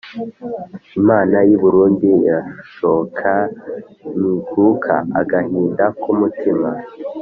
Imana y'i Burundi irashoka ntikuka-Agahinda ku mutima.